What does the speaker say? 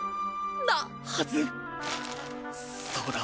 なはずそうだ